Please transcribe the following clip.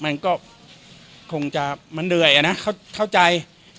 มันก็คงจะมันเหนื่อยอะนะเข้าใจ